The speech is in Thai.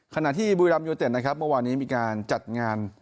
ขณะที่บุรีรัมยูเต็ดนะครับเมื่อวานนี้มีการจัดงาน